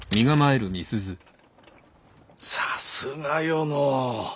さすがよのう。